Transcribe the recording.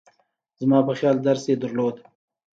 زما په خیال درس یې درلود.